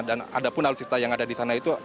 dan ada pun alutsista yang ada di sana itu